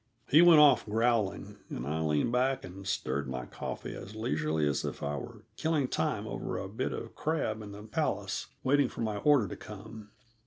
He went off growling, and I leaned back and stirred my coffee as leisurely as if I were killing time over a bit of crab in the Palace, waiting for my order to come.